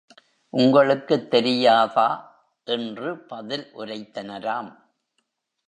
உங்களுக்குத் தெரியாதா? என்று பதில் உரைத்தனராம்.